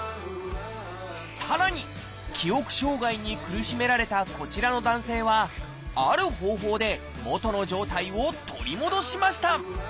さらに記憶障害に苦しめられたこちらの男性はある方法でもとの状態を取り戻しました。